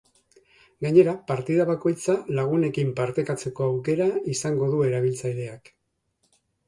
Gainera, partida bakoitza lagunekin partekatzeko aukera izango du erabiltzaileak.